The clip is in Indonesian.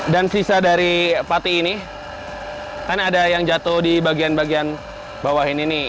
dan sisa dari pati ini kan ada yang jatuh di bagian bagian bawah ini nih